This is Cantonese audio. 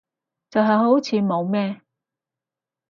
就係好似冇咩